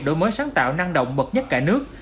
đổi mới sáng tạo năng động bậc nhất cả nước